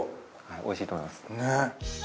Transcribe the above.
美味しいと思います。